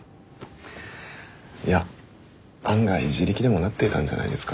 いや案外自力でもなっていたんじゃないですか？